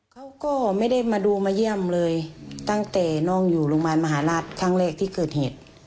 เขาก็ไม่ได้มาดูมาเยี่ยมเลยตั้งแต่น้องอยู่โรงพยาบาลมหาราชครั้งแรกที่เกิดเหตุ